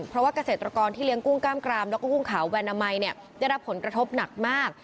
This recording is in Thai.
เพราะว่าเกษตรกรที่เลี้ยงกุ้งกล้ามกรามแล้วก็กุ้งขาวแวนามัยได้รับผลกระทบหนักมาก